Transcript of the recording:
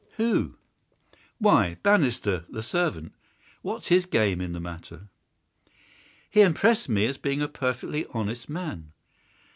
"Who?" "Why, Bannister, the servant. What's his game in the matter?" "He impressed me as being a perfectly honest man."